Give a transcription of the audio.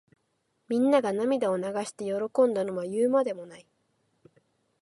みんなが涙を流して喜んだのは言うまでもない。